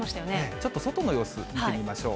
ちょっと外の様子、見てみましょう。